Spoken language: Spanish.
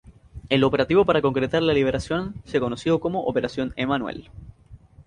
El operativo para concretar la liberación se conoció como Operación Emmanuel.